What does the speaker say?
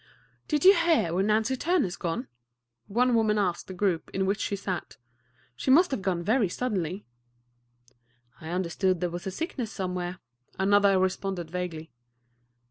"Did you hear where Nancy Turner's gone?" one woman asked of the group in which she sat. "She must have gone very suddenly." "I understood there was sickness somewhere," another responded vaguely.